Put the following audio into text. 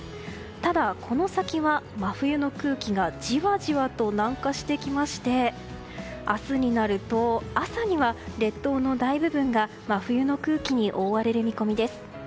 ただ、この先は真冬の空気がじわじわと南下してきまして明日になると朝には列島の大部分が真冬の空気に覆われる見込みです。